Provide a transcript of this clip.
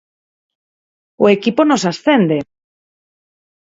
O equipo nos ascende.